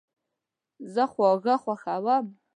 زه خواږه خوښوم